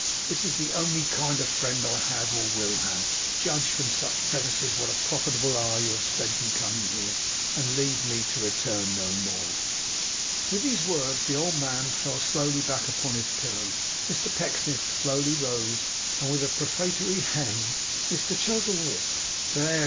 This is the only kind of friend I have or will have. Judge from such premises what a profitable hour you have spent in coming here, and leave me, to return no more.' With these words, the old man fell slowly back upon his pillow. Mr Pecksniff as slowly rose, and, with a prefatory hem, began as follows: 'Mr Chuzzlewit.' 'There.